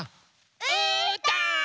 うーたん！